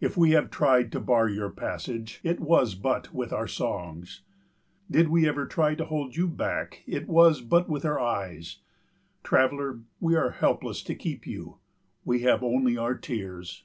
If we have tried to bar your passage it was but with our songs. Did we ever try to hold you back it was but with our eyes. Traveller, we are helpless to keep you. We have only our tears.